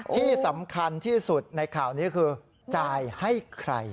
ที่สำคัญที่สุดในข่าวนี้คือจ่ายให้ใคร